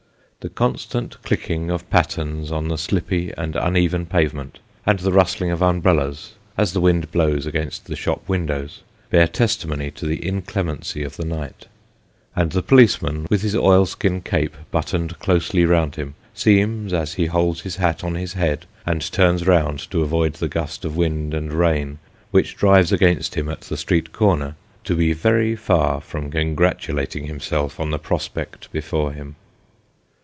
The constant clicking of pattens on the slippy and uneven pavement, and the rustling of umbrellas, as the wind blows against the shop windows, bear testi mony to the inclemency of the night ; and the policeman, with his oilskin cape buttoned closely round him, seems as he holds his hat on his head, and turns round to avoid the gust of wind and rain which tlrives against him at the street corner, to be very far from con gratulating himself on the prospect before him.